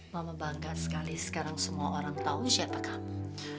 mama bangga sekali sekarang semua orang tahu siapa kamu